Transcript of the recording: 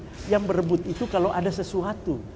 saya berebut itu kalau ada sesuatu